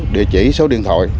địa chỉ số điện thoại